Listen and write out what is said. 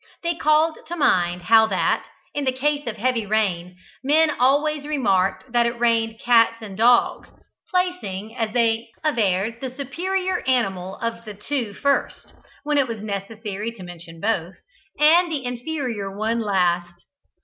They called to mind how that, in the case of heavy rain, men always remarked that "it rained cats and dogs;" placing, as they averred, the superior animal of the two first, when it was necessary to mention both, and the inferior one last.